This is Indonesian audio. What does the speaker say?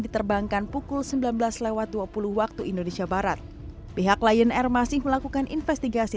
diterbangkan pukul sembilan belas lewat dua puluh waktu indonesia barat pihak lion air masih melakukan investigasi